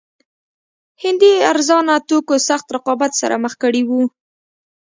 هندي ارزانه توکو سخت رقابت سره مخ کړي وو.